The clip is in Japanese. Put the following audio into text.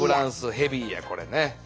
ヘビーやこれね。